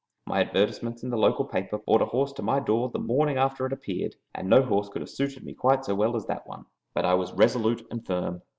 My advertisement in the local paper brought a horse to my door the morning after it appeared, and no horse could have suited me quite so well as that one, but I was resolute and firm.